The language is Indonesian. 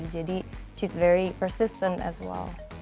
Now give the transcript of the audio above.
jadi dia sangat persisten juga